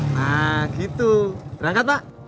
nah gitu terangkat pak